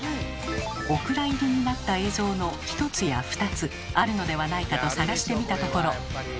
お蔵入りになった映像の１つや２つあるのではないかと探してみたところ。